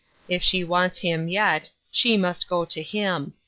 If she wants him yet, she must go to him.